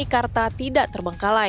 peso belanda tidak terbengkalai